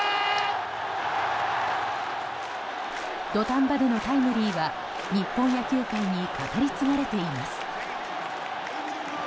土壇場でのタイムリーは日本野球界に語り継がれています。